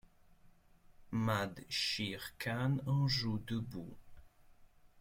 Mad Sheer Khan en joue debout.